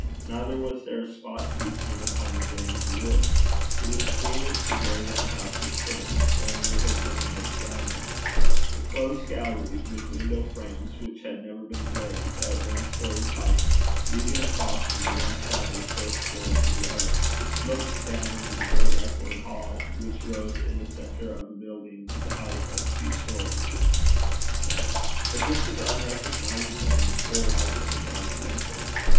Neither was there a spot to be seen upon the grain of the wood: it was clean as the day when the house was finished, only it had grown much browner. A close gallery, with window frames which had never been glazed, at one story's height, leading across from the one side of the first floor to the other, looked down into the great echoing hall, which rose in the centre of the building to the height of two stories; but this was unrecognizable in the poor light of the guard's lantern.